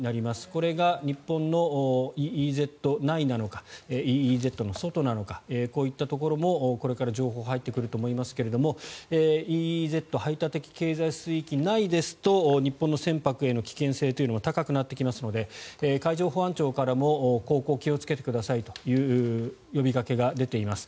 これが日本のＥＥＺ内なのかＥＥＺの外なのかこういったところも、これから情報が入ってくると思いますがＥＥＺ・排他的経済水域内ですと日本の船舶への危険性は高くなってきますので海上保安庁からも航行に気をつけてくださいという呼びかけが出ています。